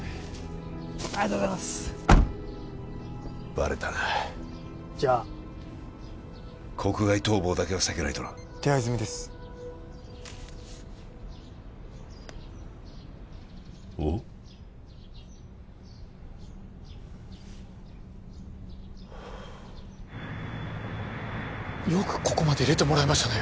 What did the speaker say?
ありがとうございますバレたなじゃあ国外逃亡だけは避けないとな手配済みですおっよくここまで入れてもらえましたね